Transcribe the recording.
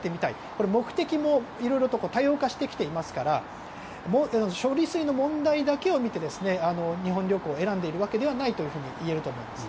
これ、目的も多様化してきていますから処理水の問題だけを見て日本旅行を選んでいるわけではないといえると思います。